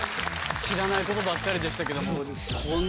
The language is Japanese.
知らないことばっかりでしたけども。